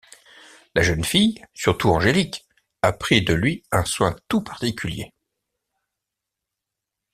La jeune fille surtout, Angélique, a pris de lui un soin tout particulier.